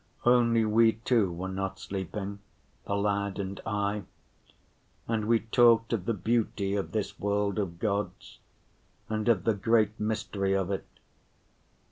Only we two were not sleeping, the lad and I, and we talked of the beauty of this world of God's and of the great mystery of it.